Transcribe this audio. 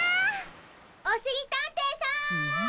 おしりたんていさん！